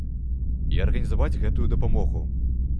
І арганізаваць гэтую дапамогу.